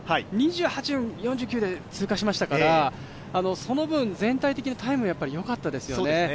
２８分４９で通過しましたから、その分、全体的にタイムよかったですよね。